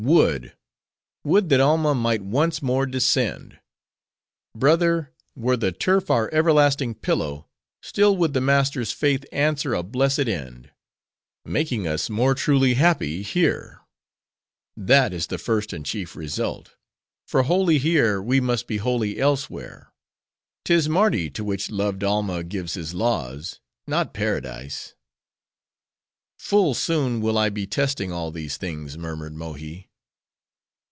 "Would! would that Alma might once more descend! Brother! were the turf our everlasting pillow, still would the Master's faith answer a blessed end;—making us more truly happy here. That is the first and chief result; for holy here, we must be holy elsewhere. 'Tis Mardi, to which loved Alma gives his laws; not Paradise." "Full soon will I be testing all these things," murmured Mohi.